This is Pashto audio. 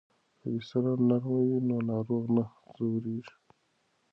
که بستر نرم وي نو ناروغ نه ځورېږي.